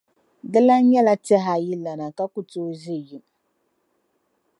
Dilana nyɛla tɛhaayilana ka ku tooi ʒe yim.